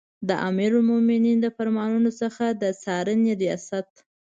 د امیرالمؤمنین د فرمانونو څخه د څارنې ریاست